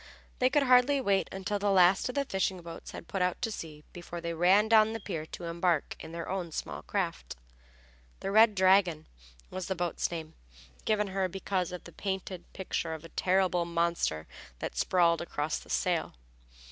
They could hardly wait until the last of the fishing boats had put out to sea before they ran down the pier to embark in their own small craft. The Red Dragon was the boat's name, given her because of the painted picture of a terrible monster that sprawled across the sail.